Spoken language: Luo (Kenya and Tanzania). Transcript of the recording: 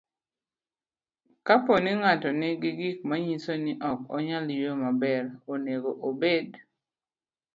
Kapo ni ng'ato nigi gik manyiso ni ok onyal yueyo maber, onego obed